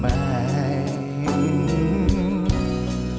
เพราะว่าในสายตาเธอดูมีเล่นไหน